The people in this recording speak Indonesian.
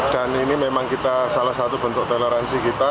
dan ini memang kita salah satu bentuk toleransi kita